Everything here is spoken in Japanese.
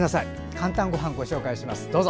「かんたんごはん」をご紹介します。